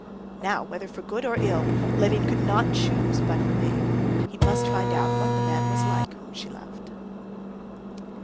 Now, whether for good or for ill, Levin could not choose but remain; he must find out what the man was like whom she loved.